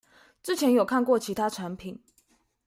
之前有看過其他產品